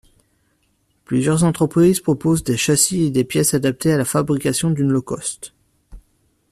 Plusieurs entreprises proposent des châssis et des pièces adaptés à la fabrication d'une Locost.